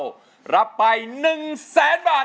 รับไป๑แสนบาท